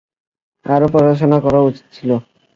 আরো পড়াশোনা করা উচিত ছিল।